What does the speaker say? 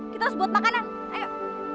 kita harus buat makanan ayo